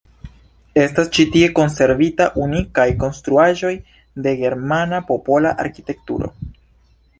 Estas ĉi tie konservita unikaj konstruaĵoj de germana popola arkitekturo.